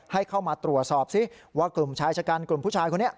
ให้เข้ามาตรวจสอบซิว่ากลุ่มชายชะกันกลุ่มผู้ชายคนนี้